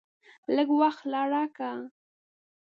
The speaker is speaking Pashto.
لږ وخت لا راکړه !